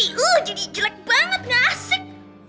jadi uuh jadi jelek banget nggak asik